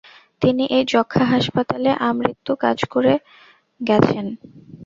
তিনি এই যক্ষ্মা হাসপাতালে আমৃত্যু কাজ করে গেছেন।